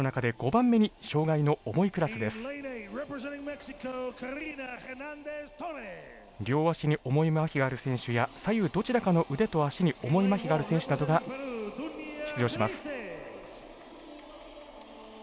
両足に重いまひがある選手や左右どちらかの腕と足に重いまひがある選手などが出場します。